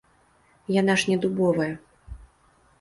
Яна ж не дубовая.